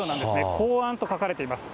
公安と書かれています。